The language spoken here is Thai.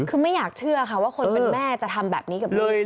คือไม่อยากเชื่อค่ะว่าคนเป็นแม่จะทำแบบนี้กับลูก